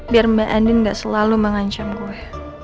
biar mbak andin gak selalu mengancam gue